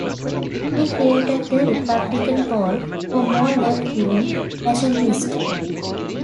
He created the Republican Pole, for more left-wing nationalists.